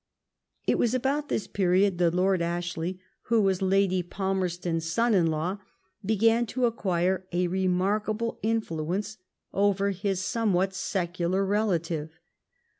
It was about tbis period that Lord Ashley, who was Lady Palmerston's son in law, began to acquire a re markable influence over his somewhat secular relative.